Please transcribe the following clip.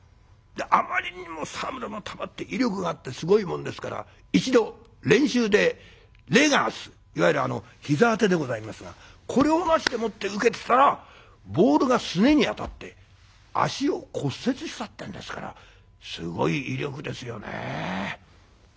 あまりにも沢村の球って威力があってすごいもんですから一度練習でレガースいわゆる膝当てでございますがこれをなしでもって受けてたらボールがすねに当たって脚を骨折したってんですからすごい威力ですよね。